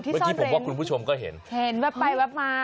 เมื่อกี้ผมว่าคุณผู้ชมก็เห็นเห็นแว๊บไปแวบมา